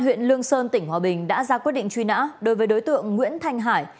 huyện lương sơn tỉnh hòa bình đã ra quyết định truy nã đối với đối tượng nguyễn thanh hải